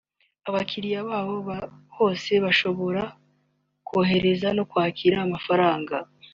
abakiriya bayo bose bashobora kohereza no kwakira amafanga